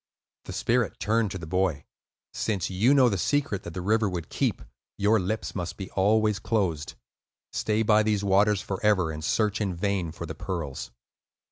The spirit turned to the boy. "Since you know the secret that the river would keep, your lips must be always closed. Stay by these waters forever, and search in vain for the pearls."